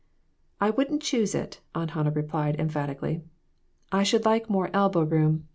" "I wouldn't choose it," Aunt Hannah replied, emphatically ;" I should like more elbow room.